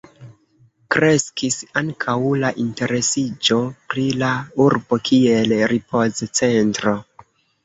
Kreskis ankaŭ la interesiĝo pri la urbo kiel ripoz-centro.